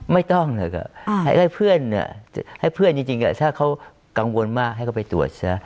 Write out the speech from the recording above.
ไม่ต้องเลยครับให้เพื่อนจริงถ้าเขากังวลมากให้เขาไปตรวจนะ